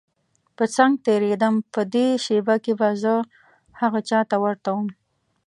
په څنګ تېرېدم په دې شېبه کې به زه هغه چا ته ورته وم.